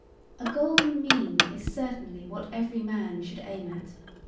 A golden mean is certainly what every man should aim at.